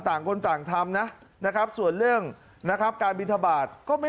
ต่างคนต่างทำนะนะครับส่วนเรื่องนะครับการบินทบาทก็ไม่